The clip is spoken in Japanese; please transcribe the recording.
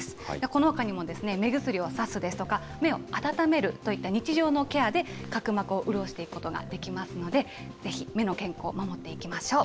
このほかにも、目薬をさすですとか、目を温めるといった日常のケアで、角膜を潤していくことができますので、ぜひ目の健康、守っていきましょう。